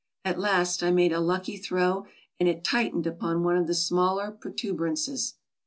At last I made a lucky throw, and it tightened upon one of the smaller protuberances.